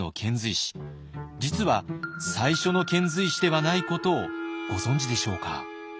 実は最初の遣隋使ではないことをご存じでしょうか。